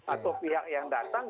atau pihak yang datang